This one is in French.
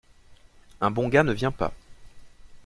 Un bon gars ne vient pas.